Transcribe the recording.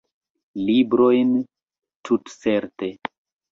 Librojn, tutcerte.